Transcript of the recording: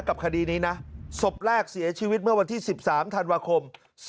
คดีนี้นะศพแรกเสียชีวิตเมื่อวันที่๑๓ธันวาคม๒๕๖